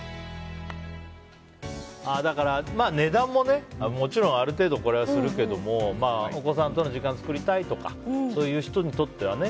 だから値段も、もちろんある程度するけどもお子さんとの時間を作りたいとかそういう人にとってはね。